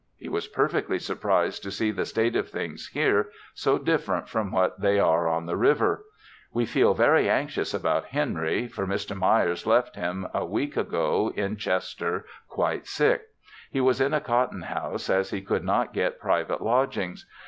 He was perfectly surprised to see the state of things here, so different from what they are on the river. We feel very anxious about Henry, for Mr. Myers left him a week ago in Chester quite sick. He was in a cotton house as he could not get private lodgings.